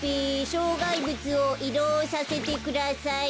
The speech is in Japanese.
しょうがいぶつをいどうさせてください。